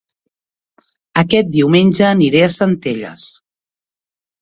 Aquest diumenge aniré a Centelles